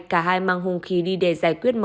cả hai mang hung khí đi để giải quyết